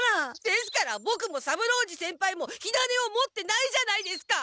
ですからボクも三郎次先輩も火種を持ってないじゃないですか！